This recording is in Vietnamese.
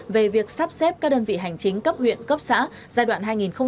về việc sắp xếp các đơn vị hành chính cấp huyện cấp xã giai đoạn hai nghìn hai mươi ba hai nghìn ba mươi